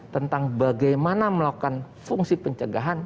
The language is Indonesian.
tentang bagaimana melakukan fungsi pencegahan